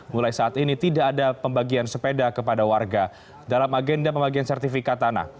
mulai saat ini tidak ada pembagian sepeda kepada warga dalam agenda pembagian sertifikat tanah